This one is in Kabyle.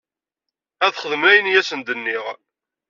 Ad xedmen ayen i asen-d-nniɣ.